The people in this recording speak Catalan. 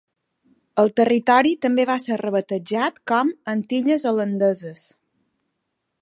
El territori també va ser rebatejat com "Antilles Holandeses".